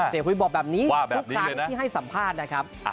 คุยบอกแบบนี้ทุกครั้งที่ให้สัมภาษณ์นะครับ